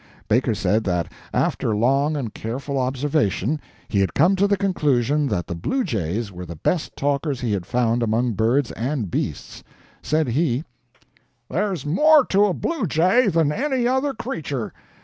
Baker said, that after long and careful observation, he had come to the conclusion that the bluejays were the best talkers he had found among birds and beasts. Said he: "There's more TO a bluejay than any other creature.